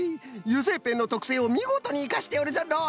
油性ペンのとくせいをみごとにいかしておるぞノージー！